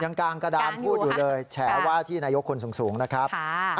กลางกระดานพูดอยู่เลยแฉว่าที่นายกคนสูงนะครับ